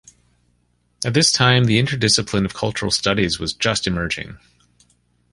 At this time, the interdiscipline of cultural studies was just emerging.